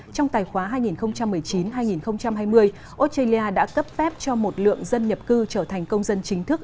trong tài khoá hai nghìn một mươi chín hai nghìn hai mươi australia đã cấp phép cho một lượng dân nhập cư trở thành công dân chính thức